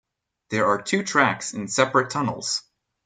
There are two tracks in separate tunnels.